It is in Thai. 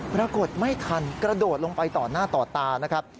ปรากฏไม่ทันกระโดดลงไปต่อหน้าต่อตานะครับ